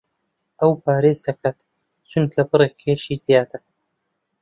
ئەو پارێز دەکات چونکە بڕێک کێشی زیادە.